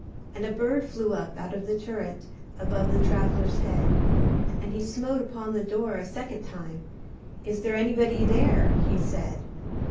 And a bird flew up out of the turret, Above the traveler's head: And he smote upon the door a second time; "Is there anybody there?" he said.